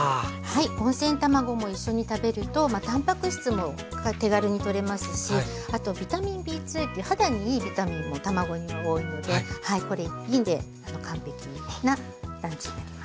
温泉卵も一緒に食べるとたんぱく質も手軽にとれますしあとビタミンＢ２という肌にいいビタミンも卵には多いのでこれ一品で完璧なランチになります。